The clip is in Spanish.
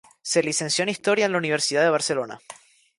Se licenció en Historia en la Universidad de Barcelona.